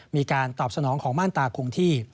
มีการตอบสนองของม่านตาคงที่